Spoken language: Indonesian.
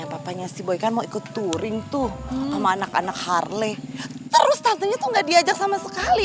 apa apanya si boy kan mau ikut touring tuh sama anak anak harley terus tantenya tuh nggak diajak sama sekali